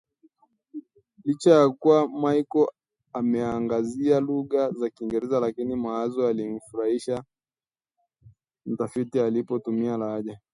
Licha ya kuwa Michael ameangazia lugha ya Kiingereza lakini mawazo yalimnufaisha mtafiti alipotumia lahaja